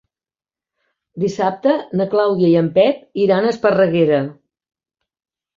Dissabte na Clàudia i en Pep iran a Esparreguera.